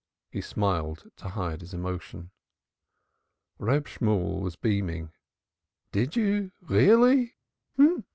He smiled to hide his emotion. Reb Shemuel was beaming. "Did you, really?"